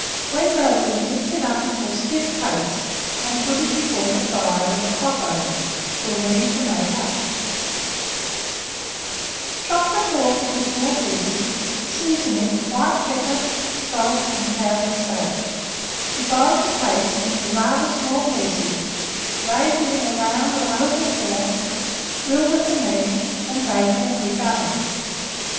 When melted, mix it up into a stiff paste, and put it before the fire with a cloth over it until ready to make up; chop the pork into small pieces, season it with white pepper, salt, and powdered sage; divide the paste into rather small pieces, raise it in a round or oval form, fill with the meat, and bake in a brick oven.